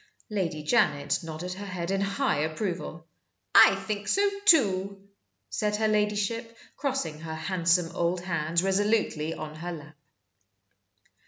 Lady Janet nodded her head in high approval. "I think so, too," said her ladyship, crossing her handsome old hands resolutely on her lap.